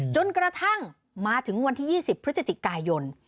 จนกระทั่งมาถึงวันที่๒๐พฤศจิกายน